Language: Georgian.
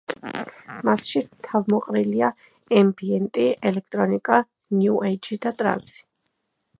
მასში თავმოყრილია ემბიენტი, ელექტრონიკა, ნიუ ეიჯი და ტრანსი.